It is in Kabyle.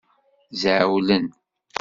Zɛewlen.